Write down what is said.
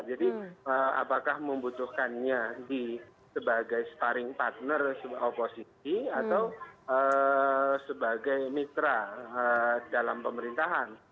jadi apakah membutuhkannya sebagai sparing partner oposisi atau sebagai mitra dalam pemerintahan